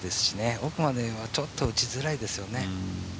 奥まではちょっと打ちづらいですよね。